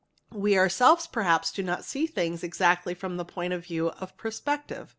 We ourselves perhaps do not see things exactly from the point of _ view of perspective.